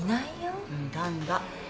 んだんだ。